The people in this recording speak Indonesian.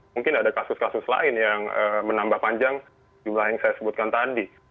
mungkin ada kasus kasus lain yang menambah panjang jumlah yang saya sebutkan tadi